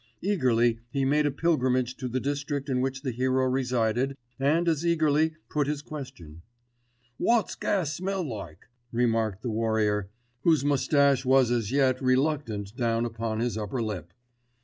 Eagerly he made a pilgrimage to the district in which the hero resided and as eagerly put his question. "Wot's gas smell like?" remarked the warrior, whose moustache was as yet reluctant down upon his upper lip.